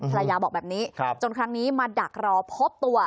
ภรรยาบอกแบบนี้จนครั้งนี้มาดักรอพบตัว